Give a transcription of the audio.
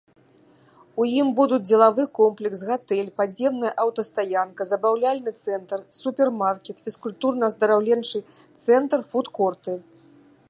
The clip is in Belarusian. У ім будуць дзелавы комплекс, гатэль, падземная аўтастаянка, забаўляльны цэнтр, супермаркет, фізкультурна-аздараўленчы цэнтр, фуд-корты.